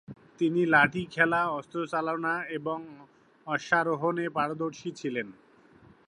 তিনি লাঠি খেলা, অস্ত্র চালনা, এবং অশ্বারোহণে পারদর্শী ছিলেন।